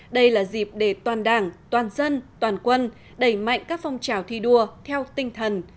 đây là dịp để toàn đảng toàn dân toàn quân đẩy mạnh các phong trào thi đua theo tinh thần